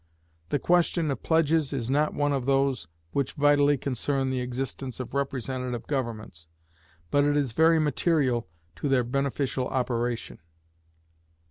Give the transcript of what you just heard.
The question of pledges is not one of those which vitally concern the existence of representative governments, but it is very material to their beneficial operation.